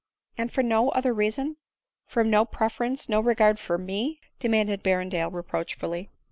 " And from no other reason ? from no preference, no regard for me ?" demanded Berrendale reproach fully.